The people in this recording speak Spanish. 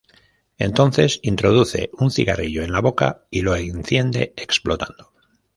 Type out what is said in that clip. Entonces introduce un cigarrillo en la boca y lo enciende, explotando.